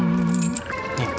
nih udah ada nih lupa